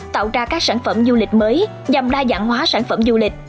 tạo ra các sản phẩm du lịch mới nhằm đa dạng hóa sản phẩm du lịch